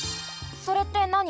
それってなに？